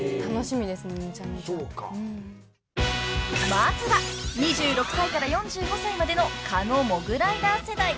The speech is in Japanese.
［まずは２６歳から４５歳までの狩野モグライダー世代］